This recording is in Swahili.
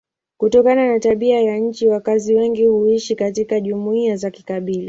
Kutokana na tabia ya nchi wakazi wengi huishi katika jumuiya za kikabila.